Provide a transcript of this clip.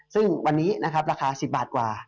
ซึ่งวันนี้นะครับราคา๑๐บาทกว่า